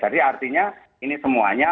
jadi artinya ini semuanya